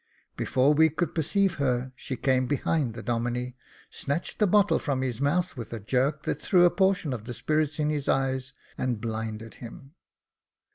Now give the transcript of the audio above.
Before we could perceive her, she came behind the Domine, snatched the bottle from his mouth with a jerk that threw a portion of the spirits in his eyes, and blinded him.